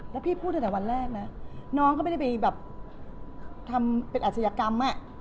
แล้วพี่พูดตั้งแต่วันแรกนะน้องก็ไม่ได้ไปแบบทำเป็นอาชญากรรม